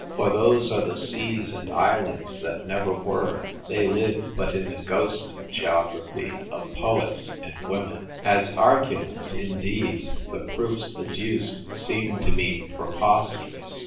For those are the seas and islands that never were ; they live but in the ghost geography of poets and women. As arguments, indeed, the proofs adduced seem to me preposterous.